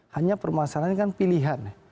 hanya permasalahan kan pilihan